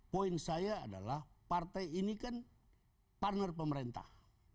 poin saya adalah partai ini kan partner pemerintah